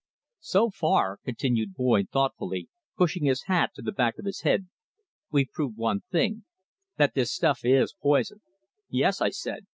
"So far," continued Boyd, thoughtfully, pushing his hat to the back of his head, "we've proved one thing that this stuff is poison." "Yes," I said.